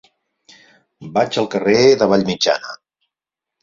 Vaig al carrer de Vallmitjana.